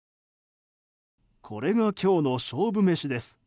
これが、今日の勝負メシです。